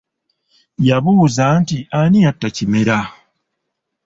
Yabuuza nti ani yatta Kimera?